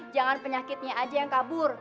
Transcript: jangan penyakitnya aja yang kabur